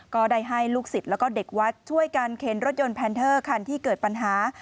ก็ได้ให้ลูกศิษย์แล้วก็เด็กวัดช่วยกันเข็นรถยนต์แพนเทอร์คันที่เกิดปัญหา